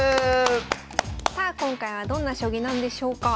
さあ今回はどんな将棋なんでしょうか。